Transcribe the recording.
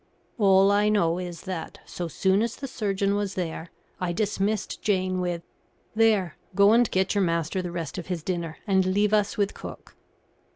All I know is that, so soon as the surgeon was there, I dismissed Jane with "There, go and get your master the rest of his dinner, and leave us with cook."